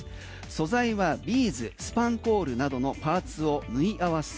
素材はビーズスパンコールなどのパーツを縫い合わせ